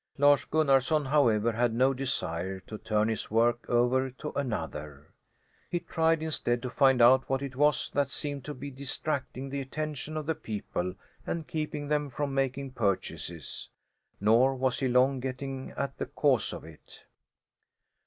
Lars Gunnarson, however, had no desire to turn his work over to another. He tried instead to find out what it was that seemed to be distracting the attention of the people and keeping them from making purchases. Nor was he long getting at the cause of it.